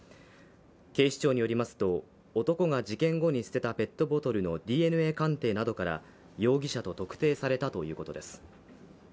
警視庁によりますと、男が事件後に捨てたペットボトルのＤＮＡ鑑定などから容疑者と特定されたということです。